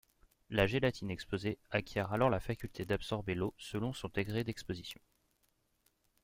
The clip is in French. La gélatine exposée acquiert alors la faculté d’absorber l’eau selon son degré d’exposition.